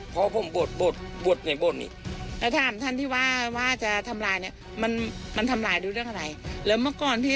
เพราะพ่อผมบวชในบวชนี่